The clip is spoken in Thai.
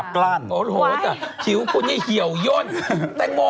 พิวคุณเฮียวย้นแต่หมอ